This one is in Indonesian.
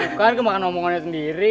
bukan kemakan omongannya sendiri